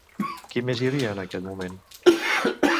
Qui més hi havia en aquell moment?